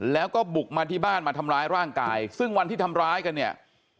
แล้วก็บุกมาที่บ้านมาทำร้ายร่างกายซึ่งวันที่ทำร้ายกันเนี่ย